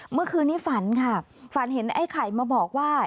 เมื่อคืนนี้ฝันค่ะฝันเห็นไอ้ไข่มาบอกว่า